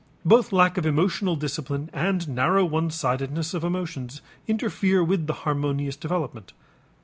Both lack of emotional discipline and narrow one sidedness of emotions interfere with the harmonious development.